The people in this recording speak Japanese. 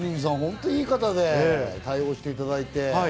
マリリンさん、本当にいい方で対応していただいて。